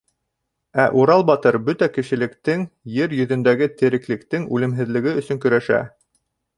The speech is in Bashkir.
Ә Урал батыр бөтә кешелектең, ер йөҙөндәге тереклектең үлемһеҙлеге өсөн көрәшә.